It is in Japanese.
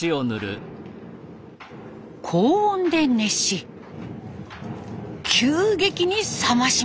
高温で熱し急激に冷まします。